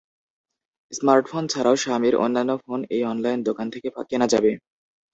Smartphone ছাড়াও শাওমির অন্যান্য পণ্য এই অনলাইন দোকান থেকে কেনা যাবে।